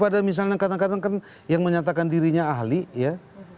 pada misalnya kadang kadang kan yang menyatakan dirinya ahli ya